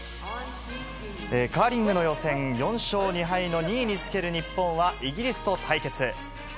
カーリングの予選４勝２敗の２位につける日本は、イギリスと対決。